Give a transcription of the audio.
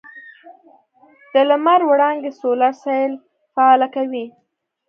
د لمر وړانګې سولر سیل فعاله کوي.